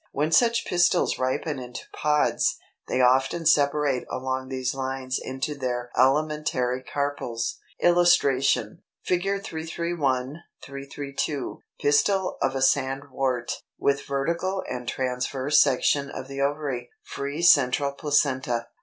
When such pistils ripen into pods, they often separate along these lines into their elementary carpels. [Illustration: Fig. 331, 332. Pistil of a Sandwort, with vertical and transverse section of the ovary: free central placenta.